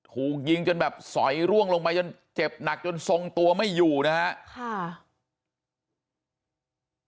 ถูกยิงจนแบบสอยร่วงลงมาจนเจ็บหนักจนทรงตัวไม่อยู่นะฮะค่ะ